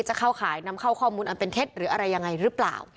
จะเข้าขายนำเข้าข้อมูลอันเป็นเท็จหรืออะไรยังไงหรือเปล่า